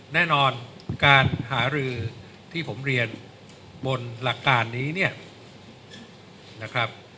แน่นอนการหารือที่ผมเรียนบนหลักการนี้เนี่ยนะครับ